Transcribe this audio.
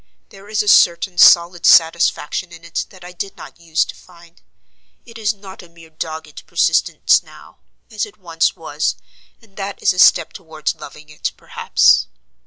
"There is a certain solid satisfaction in it that I did not use to find. It is not a mere dogged persistence now, as it once was, and that is a step towards loving it perhaps."